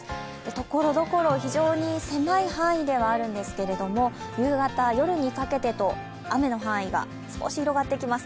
ところどころ、非常に狭い範囲ではあるんですけれども夕方・夜にかけてと雨の範囲が広がってきます。